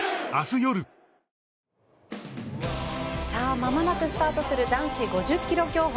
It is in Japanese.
まもなくスタートする男子５０ｋｍ競歩。